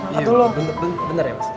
iya bener ya mas